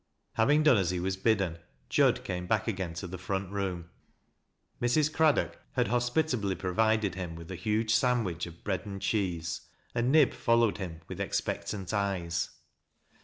Having done as he was bidden, Jud came back again Ui the front room. Mrs. Craddock had hospitably provided him with a huge sandwich of bread and cheese, and Nib followed him with expectant eyes.